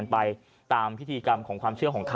ชาวบ้านญาติโปรดแค้นไปดูภาพบรรยากาศขณะ